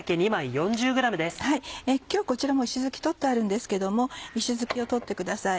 今日こちらもう石突き取ってあるんですけども石突きを取ってください。